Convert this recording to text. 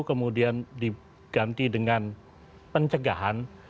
kemudian diganti dengan pencegahan